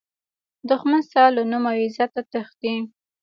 دښمن ستا له نوم او عزته تښتي